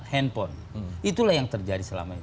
handphone itulah yang terjadi selama ini